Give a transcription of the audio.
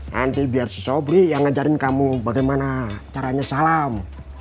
nanti biar si sobri yang ngajarin kamu bagaimana caranya salam